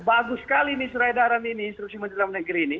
bagus sekali nih serai darah ini instruksi mendagri ini